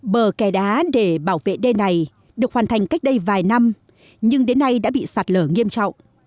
bờ kè đá để bảo vệ đê này được hoàn thành cách đây vài năm nhưng đến nay đã bị sạt lở nghiêm trọng